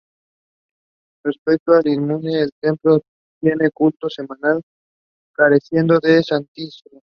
Respecto al inmueble: El templo tiene culto semanal, careciendo de Santísimo.